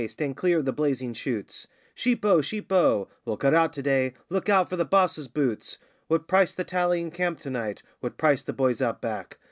stand clear of the blazing shoots!' 'Sheep O! Sheep O!' 'We'll cut out to day' 'Look out for the boss's boots!' 'What price the tally in camp to night!' 'What price the boys Out Back!